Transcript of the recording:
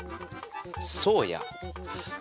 そうや。